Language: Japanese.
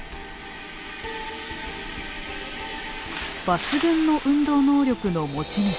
抜群の運動能力の持ち主。